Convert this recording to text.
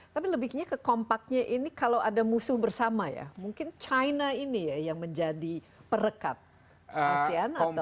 tapi lebihnya ke kompaknya ini kalau ada musuh bersama ya mungkin china ini ya yang menjadi perekat asean